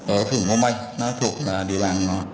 ở phường ngô may nó thuộc địa bàn